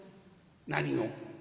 「何を？」。